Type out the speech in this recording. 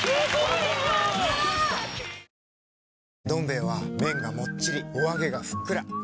「どん兵衛」は麺がもっちりおあげがふっくら。